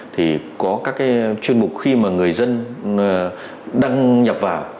thì có các cái chuyên mục khi mà người dân đăng nhập vào